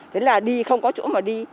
thế là đi không có chỗ mà đi